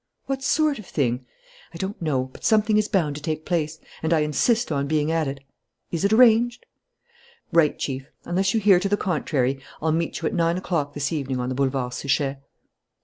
"What sort of thing?" "I don't know. But something is bound to take place. And I insist on being at it. Is it arranged?" "Right, Chief. Unless you hear to the contrary, I'll meet you at nine o'clock this evening on the Boulevard Suchet."